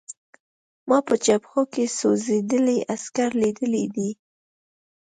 ما په جبهو کې سوځېدلي عسکر لیدلي دي